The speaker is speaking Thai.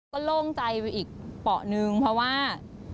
ก็ลงใจอีกเป๋าหนึ่งเพราะว่า